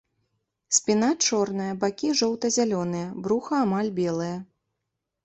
Спіна чорная, бакі жоўта-зялёныя, бруха амаль белае.